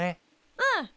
うん！